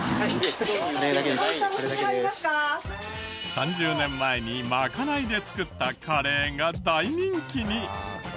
３０年前にまかないで作ったカレーが大人気に！